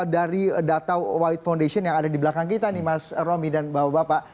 dari data white foundation yang ada di belakang kita nih mas romi dan bapak bapak